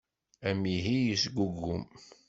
Amihi yesgugum.